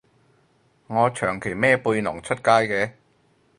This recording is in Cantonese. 我長期孭背囊出街嘅